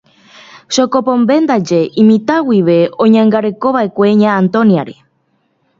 Chopombe ndaje imitã guive oñangarekova'ekue Ña Antonia-re.